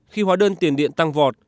khi hóa đơn tiền điện tăng vọt